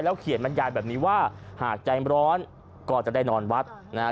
เขียนบรรยายแบบนี้ว่าหากใจร้อนก็จะได้นอนวัดนะฮะ